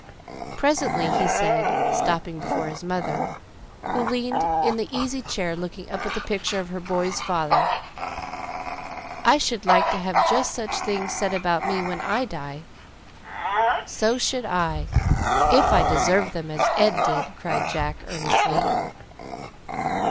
Presently he said, stopping before his mother, who leaned in the easy chair looking up at the picture of her boys' father, "I should like to have just such things said about me when I die." "So should I, if I deserved them as Ed did!" cried Jack, earnestly.